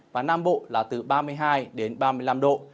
và nam bộ là từ ba mươi hai đến ba mươi năm độ